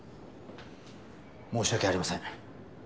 申し訳ありません。